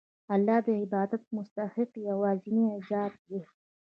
الله د عبادت مستحق یوازینی ذات دی.